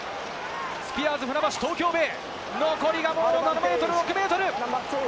スピアーズ船橋・東京ベイ、残りがもう７ｍ、６ｍ！